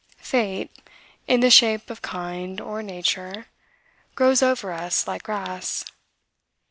Fate, in the shape of Kinde or nature, grows over us like grass.